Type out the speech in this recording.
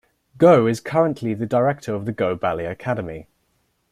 Goh is currently the director of the Goh Ballet Academy.